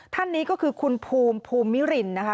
ท่านนี้ก็คือคุณภูมิภูมิรินนะคะ